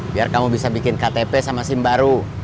biar kamu bisa bikin ktp sama sim baru